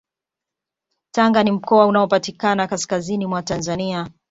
Tanga ni mkoa unaopatikana kaskazini mwa Tanzania